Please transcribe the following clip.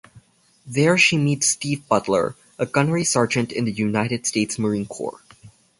There she meets Steve Butler, a Gunnery Sergeant in the United States Marine Corps.